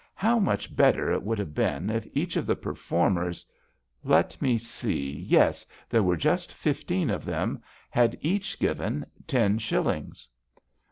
How much better it would have been if each of the performers — let me see — ^yes, there were just fifteen of them — had each given ten shillings."